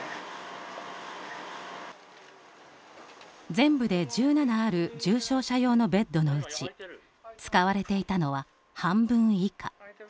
全部で１７ある重症者用のベッドのうち使われていたのは半分以下。